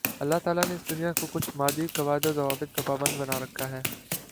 اللہ تعالیٰ نے اس دنیا کو کچھ مادی قواعد و ضوابط کا پابند بنا رکھا ہے